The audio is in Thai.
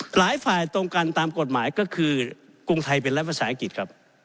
หลายฝ่ายตรงกันตามกฎหมายก็คือกรุงไทยเป็นรัฐภาษาอังกฤษครับ